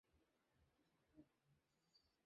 Alex সবসময় তোমার প্রশংসা করেছে।